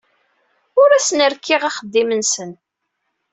Ur asen-rekkiɣ axeddim-nsen.